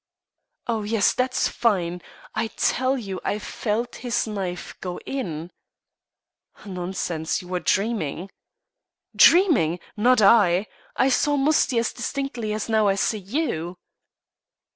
"Oh, yes! That's fine I tell you I felt his knife go in." "Nonsense, you were dreaming." "Dreaming! Not I. I saw Musty as distinctly as I now see you."